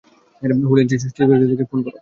Holi incense স্টিকের ছেলেকে ফোন কর।